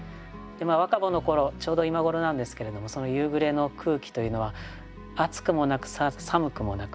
若葉の頃ちょうど今頃なんですけれどもその夕暮れの空気というのは暑くもなく寒くもなくですね